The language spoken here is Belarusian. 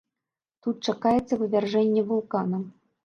Тут чакаецца вывяржэнне вулкана.